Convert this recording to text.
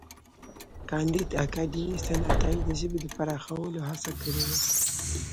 کانديد اکاډميسن عطايي د ژبې د پراخولو هڅه کړې ده.